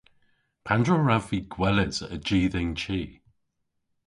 Pandr'a wrav vy gweles a-ji dhe'n chi?